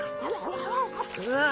うわ。